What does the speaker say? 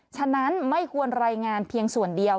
ฉะนั้นไม่ควรรายงานเพียงส่วนเดียว